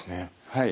はい。